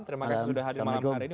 terima kasih sudah hadir malam hari ini